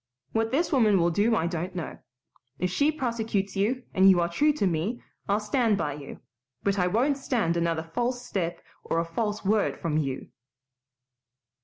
What this woman will do I don't know. If she prosecutes you, and you are true to me, I'll stand by you, but I won't stand another false step or a false word from you."